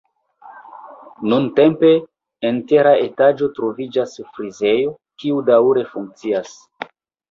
Nuntempe, en tera etaĝo troviĝas frizejo, kiu daŭre funkcias.